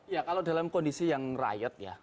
ya kalau dalam kondisi yang riet ya